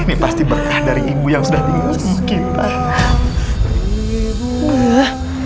ini pasti berkah dari ibu yang sudah dimiliki sama kita